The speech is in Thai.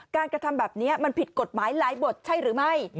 กระทำแบบนี้มันผิดกฎหมายหลายบทใช่หรือไม่